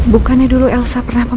bukannya dulu elsa pernah